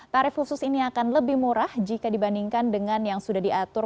tarif khusus ini akan lebih murah jika dibandingkan dengan yang sudah diatur